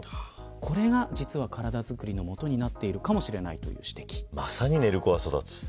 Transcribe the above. これが実は体作りの元になっているかもしれないまさに寝る子は育つ。